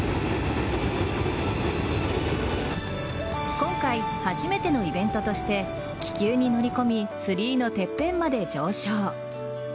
今回、初めてのイベントとして気球に乗り込みツリーのてっぺんまで上昇。